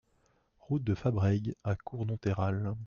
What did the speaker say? Route de Fabrègues à Cournonterral